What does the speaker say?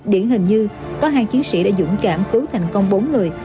điển hình như có hai chiến sĩ đã dũng cảm cứu thành công bốn người